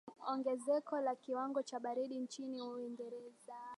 ongezeko la kiwango cha baridi nchini uingereza